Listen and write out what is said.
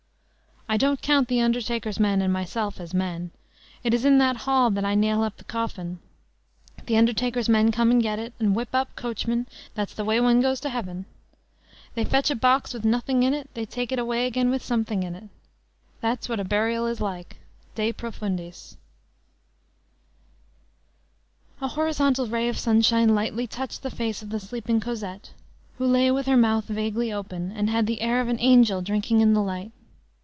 I don't count the undertaker's men and myself as men. It is in that hall that I nail up the coffin. The undertaker's men come and get it, and whip up, coachman! that's the way one goes to heaven. They fetch a box with nothing in it, they take it away again with something in it. That's what a burial is like. De profundis." A horizontal ray of sunshine lightly touched the face of the sleeping Cosette, who lay with her mouth vaguely open, and had the air of an angel drinking in the light.